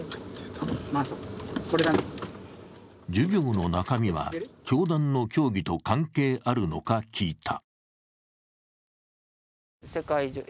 授業の中身は教団の教義と関係あるのか聞いた。